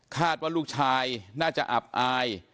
คาดว่าลูกชายน่าจะอับอาย